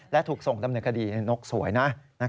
และถูกส่งดำเนินคดีนกสวยนะ